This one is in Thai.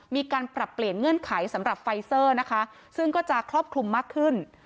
มีการปรับเปลี่ยนเงื่อนไขสำหรับไฟเซอร์นะคะซึ่งก็จะครอบคลุมมากขึ้น